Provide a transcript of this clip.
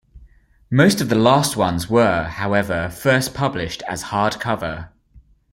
Most of the last ones were however first published as hardcover.